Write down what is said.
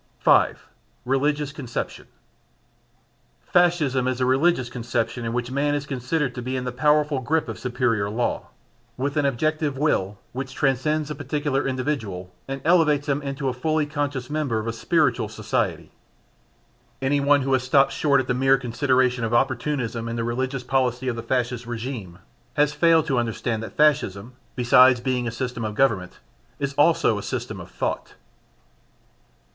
5. Religious Conception. Fascism is a religious conception in which man is considered to be in the powerful grip of a superior law, with an objective will which transcends the particular individual and elevates him into a fully conscious member of a spiritual society. Anyone who has stopped short at the mere consideration of opportunism in the religious policy of the Fascist Regime, has failed to understand that Fascism, besides being a system of government, is also a system of thought.